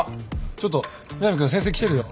ちょっと南君先生来てるよ。